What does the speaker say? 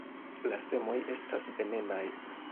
La semoj estas venenaj.